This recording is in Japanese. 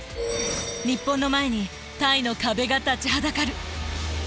日本の前にタイの壁が立ちはだかる。